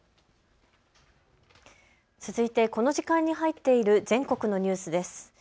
続いてこの時間に入っている全国のニュースです。